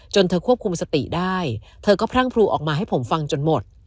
เธอควบคุมสติได้เธอก็พรั่งพลูออกมาให้ผมฟังจนหมด